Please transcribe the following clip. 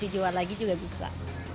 jual lagi juga bisa